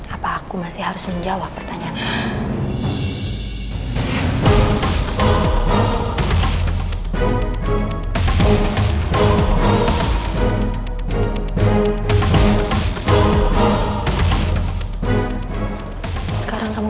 apa aku masih harus menjawab pertanyaan kamu